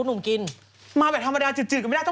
เมนูชามน้ำชามไหนก็อร่อยสุดค่ะ